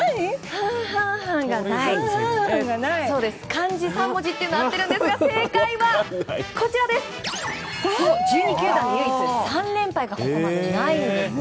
漢字３文字というのは合ってるんですが正解は、１２球団で唯一３連敗がここまでないんですね。